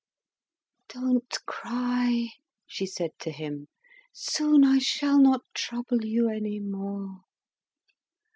"Don't cry," she said to him. "Soon I shall not trouble you any more."